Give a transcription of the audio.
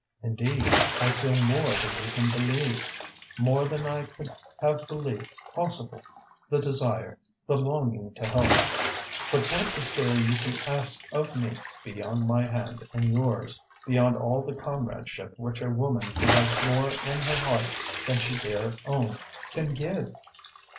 "Indeed, I feel more than you can believe more than I could have believed possible the desire, the longing to help. But what is there you can ask of me beyond my hand in yours, beyond all the comradeship which a woman who has more in her heart than she dare own, can give?"